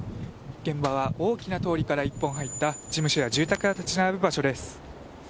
現場は大きな通りから１本入った事務所や住宅が立ち並ぶ場所です。